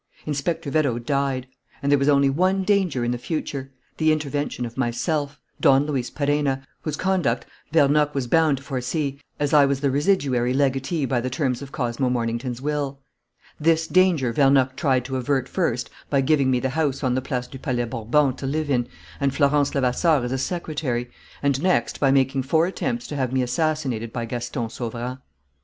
Inspector Vérot died. And there was only one danger in the future: the intervention of myself, Don Luis Perenna, whose conduct Vernocq was bound to foresee, as I was the residuary legatee by the terms of Cosmo Mornington's will. This danger Vernocq tried to avert first by giving me the house on the Place du Palais Bourbon to live in and Florence Levasseur as a secretary, and next by making four attempts to have me assassinated by Gaston Sauverand.